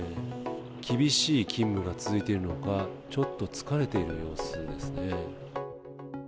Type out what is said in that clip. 厳しい勤務が続いているのか、ちょっと疲れている様子ですね。